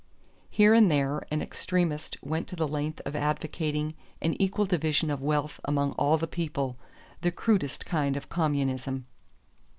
Here and there an extremist went to the length of advocating an equal division of wealth among all the people the crudest kind of communism.